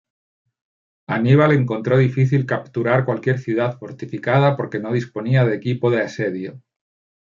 Aníbal encontró difícil capturar cualquier ciudad fortificada, porque no disponía de equipo de asedio.